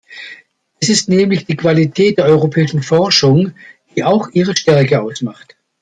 Es ist nämlich die Qualität der europäischen Forschung, die auch ihre Stärke ausmacht.